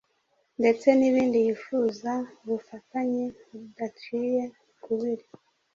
ndetse n indi yifuza ubufatanye budaciye ukubiri